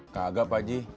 kagak pak ji